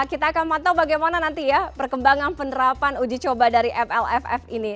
kita akan memantau bagaimana nanti ya perkembangan penerapan uji coba dari flff ini